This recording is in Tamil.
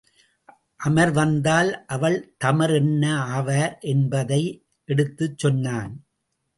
அமர் வந்தால் அவள் தமர் என்ன ஆவார் என்பதை எடுத்துச் சொன்னான்.